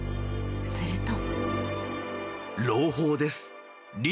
すると。